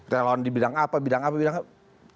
relawan di bidang apa bidang apa bidang apa